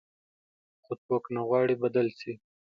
خو څوک نه غواړي بدل شي.